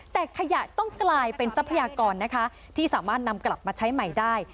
แต่ขยะต้องกลายเป็นทรัพยากรนะคะที่สามารถนำกลับมาใช้ใหม่ได้